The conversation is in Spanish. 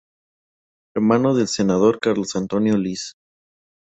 Hermano del senador Carlos Antonio Lis.